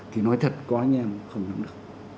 thì nói thật có anh em không nắm được